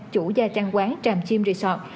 chủ gia trang quán tràm chim resort